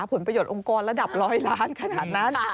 ผลประโยชนองค์กรระดับร้อยล้านขนาดนั้น